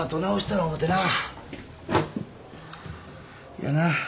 いやな。